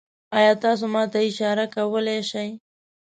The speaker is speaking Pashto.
ایا تاسو ما ته اشاره کولی شئ؟